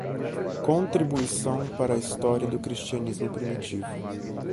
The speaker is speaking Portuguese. Contribuição Para a História do Cristianismo Primitivo